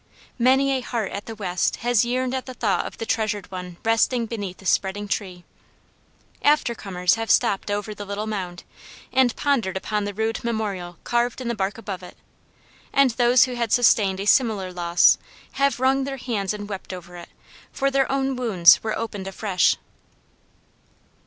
Many a heart at the West has yearned at the thought of the treasured one resting beneath the spreading tree. After comers have stopped over the little mound, and pondered upon the rude memorial carved in the bark above it; and those who had sustained a similar loss have wrung their hands and wept over it, for their own wounds were opened afresh.